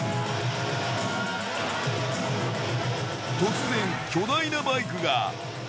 突然、巨大なバイクが。